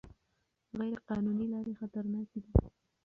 غیر قانوني لارې خطرناکې دي.